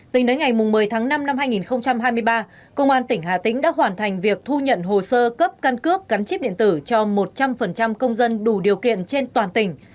tính đến ngày một mươi tháng năm năm hai nghìn hai mươi ba công an tỉnh hà tĩnh đã hoàn thành việc thu nhận hồ sơ cấp căn cước gắn chip điện tử cho một trăm linh công dân đủ điều kiện trên toàn tỉnh